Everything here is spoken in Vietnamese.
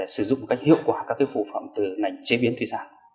sử dụng các hiệu quả các phụ phẩm từ ngành chế biến thủy sản